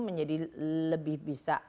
menjadi lebih bisa